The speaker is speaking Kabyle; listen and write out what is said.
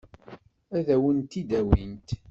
Ad wen-t-id-awint?